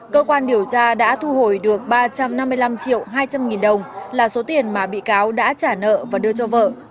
cơ quan điều tra đã thu hồi được ba trăm năm mươi năm triệu hai trăm linh nghìn đồng là số tiền mà bị cáo đã trả nợ và đưa cho vợ